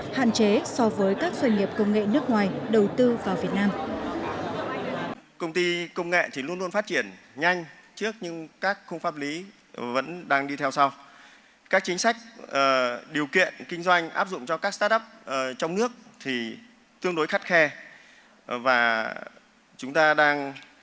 hạn chế so với các doanh nghiệp công nghệ nước ngoài đầu tư vào việt nam